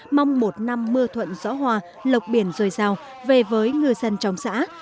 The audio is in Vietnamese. mong một năm mưa thuận gió hòa lộc biển dồi dào về với ngư dân trong xã